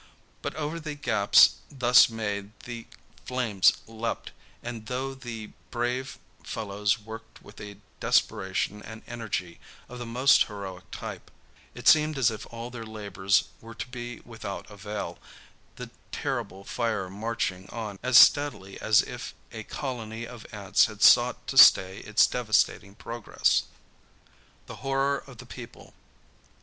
But over the gaps thus made the flames leaped, and though the brave fellows worked with a desperation and energy of the most heroic type, it seemed as if all their labors were to be without avail, the terrible fire marching on as steadily as if a colony of ants had sought to stay its devastating progress. THE HORROR OF THE PEOPLE.